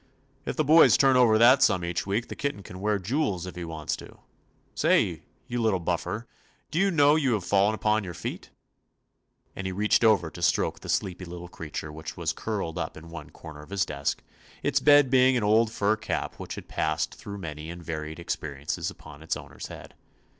If the boys turn over that sum each week the kitten can wear *jools' if he wants to. Say, you little buffer, do you know you have fallen upon your feetT' and he reached over to stroke the sleepy little creature which was curled up in one corner of his desk, its bed being an old fur cap which had passed through many and varied experiences upon its owner's head.